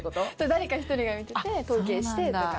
誰か一人が見てて統計してとか。